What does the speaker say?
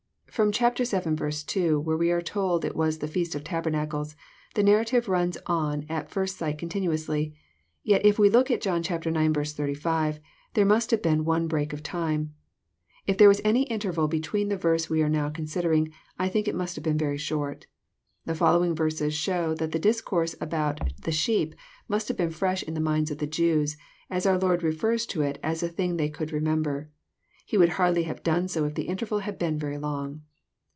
From chap. vii. 2, where we are told it was the feast of tabernacles, the narrative runs on at first sight continuonsly ; yet if we look at John ix. 85, there mast have been one break of time. — If there was any interval before the verse we are now considering, I think it must have been very short. The follow ing verses show that the discourse about *' the sheep " must have been fresh in the minds of the Jews, as our Lord refers to it as a thing they could remember : He would hardly have done so if the interval had been very long.